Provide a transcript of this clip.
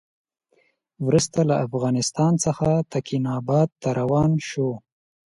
وروسته له افغانستان څخه تکیناباد ته روان شو.